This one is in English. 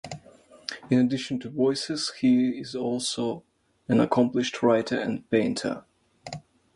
In addition to voices, he is also an accomplished writer and painter.